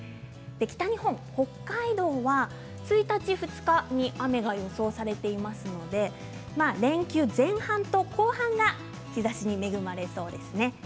北日本、北海道は１日２日に雨が予想されていますので連休前半と後半が日ざしに恵まれそうですね。